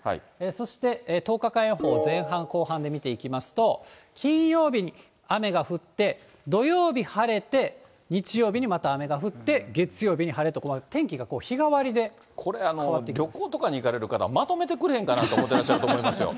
そして１０日間予報、前半、後半で見ていきますと、金曜日に雨が降って、土曜日晴れて、日曜日にまた雨が降って、月曜日に晴れと、これ、旅行とかに行かれる方、まとめてくれへんかなと思ってらっしゃると思いますよ。